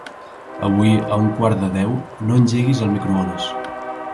Avui a un quart de deu no engeguis el microones.